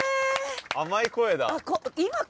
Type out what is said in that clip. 甘い声だ。